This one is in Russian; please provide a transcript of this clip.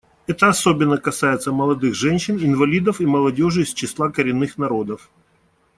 Это особенно касается молодых женщин, инвалидов и молодежи из числа коренных народов.